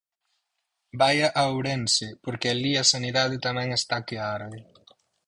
Vaia a Ourense porque alí a sanidade tamén está que arde.